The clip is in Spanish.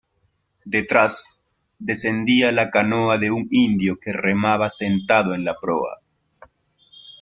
detrás, descendía la canoa de un indio que remaba sentado en la proa.